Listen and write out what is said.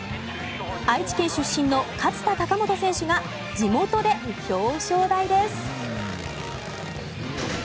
愛知県出身の勝田貴元選手が地元で表彰台です。